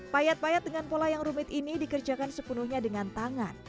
payat payat dengan pola yang rumit ini dikerjakan sepenuhnya dengan tangan